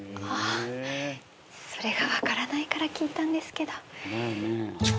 それが分からないから聞いたんですけど。